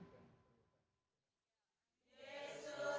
isu sama datang